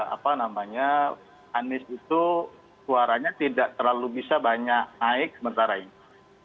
apa namanya anies itu suaranya tidak terlalu bisa banyak naik sementara ini